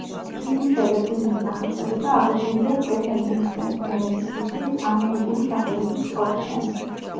ფილმისა და წიგნის სახელწოდება აღებულია სტეფენ ვინსენტ ბენეტის ლექსის „ამერიკული სახელების“ სტროფიდან.